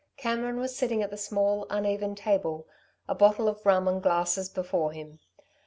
Cameron was sitting at the small, uneven table, a bottle of rum and glasses before him.